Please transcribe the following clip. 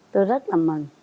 tôi rất là mừng